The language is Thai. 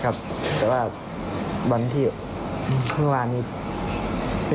คนปกติเราสามต้นเร็วไหม